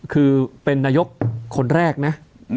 คือเป็นนายกคนแรกนะ